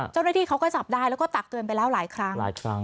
เจ้าหน้าที่เขาก็ซับได้แล้วก็ตักเอ่นไปแล้วหลายครั้ง